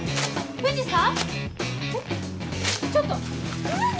藤さん！